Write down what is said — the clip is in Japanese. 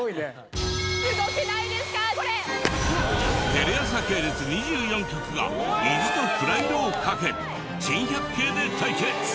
テレ朝系列２４局が意地とプライドをかけ珍百景で対決！